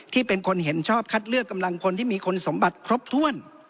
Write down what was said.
ที่เป็นคนเห็นชอบคัดเลือกกำลังคนที่มีคุณสมบัติครบถ้วน